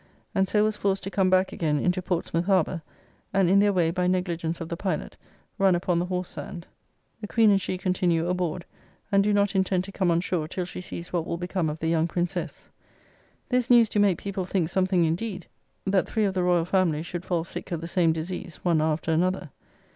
And so was forced to come back again into Portsmouth harbour; and in their way, by negligence of the pilot, run upon the Horse sand. The Queen and she continue aboard, and do not intend to come on shore till she sees what will become of the young Princess. This news do make people think something indeed, that three of the Royal Family should fall sick of the same disease, one after another.